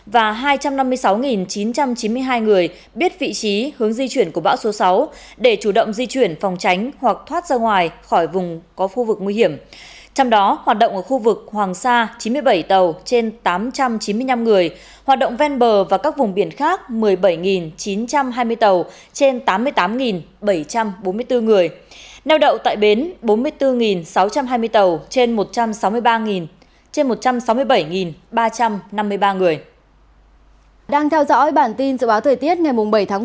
và hai trăm năm mươi sáu chín trăm chín mươi hai người biết vị trí hướng di chuyển của bão số sáu để chủ động di chuyển phòng tránh hoặc thoát ra ngoài khỏi vùng có khu vực nguy hiểm